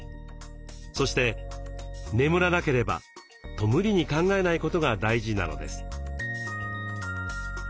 そして「眠らなければ」と無理に考えないことが大事なのです。